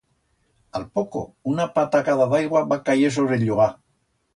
A'l poco, una patacada d'aigua va cayer sobre el llugar.